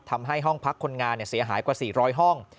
ทำให้ห้องพักคนงานเสียหายกว่า๔๐๐ห้อง